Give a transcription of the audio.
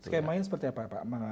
kayak main seperti apa pak